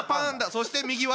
そして右は？